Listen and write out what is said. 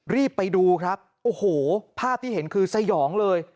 รีบไปดูครับโอ้โหภาพที่เห็นคือสยองเลย